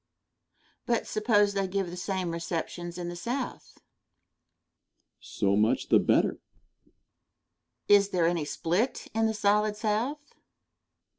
But suppose they give the same receptions in the South? Answer. So much the better. Question. Is there any split in the solid South?